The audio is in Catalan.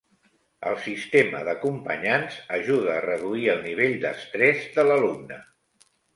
El sistema d'acompanyants ajuda a reduir el nivell d'estrès de l'alumne.